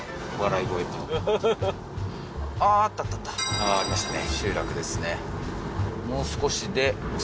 ああーありましたね